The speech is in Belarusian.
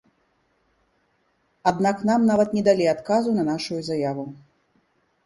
Аднак нам нават не далі адказу на нашую заяву.